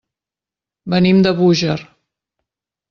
Venim de Búger.